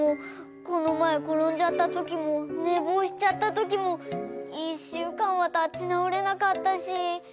このまえころんじゃったときもねぼうしちゃったときもいっしゅうかんはたちなおれなかったし。